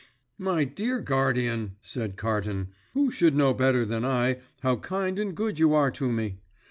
"My dear guardian," said Carton, "who should know better than I how kind and good you are to me?